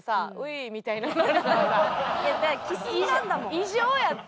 異常やって。